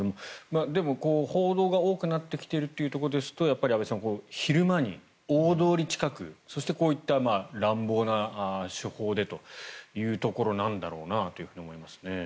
でも、報道が多くなってきているというところですと安部さん、昼間に大通近くそしてこういった乱暴な手法でというところなんだろうなと思いますね。